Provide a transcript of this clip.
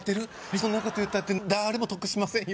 そんなこと言ったって誰も得しませんよ